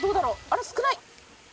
あれ少ない？